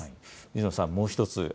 水野さん、もう１つ。